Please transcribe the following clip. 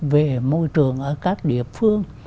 về môi trường ở các địa phương